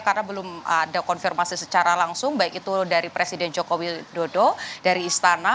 karena belum ada konfirmasi secara langsung baik itu dari presiden jokowi dodo dari istana